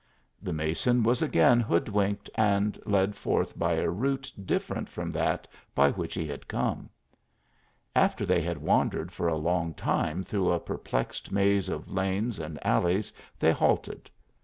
The mason was again hoodwinked and led forth by a route different from that by which he had come. After they had wandered for a long time through a perplexed maze of lanes and alleys, they halted.